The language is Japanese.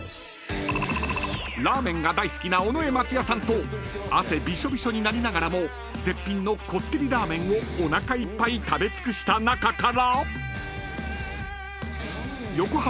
［ラーメンが大好きな尾上松也さんと汗びしょびしょになりながらも絶品のこってりラーメンをおなかいっぱい食べ尽くした中から］